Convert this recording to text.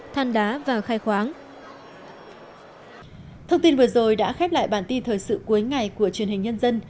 thông tin vừa rồi đã khép lại bản tin thời sự cuối ngày của truyền hình nhân dân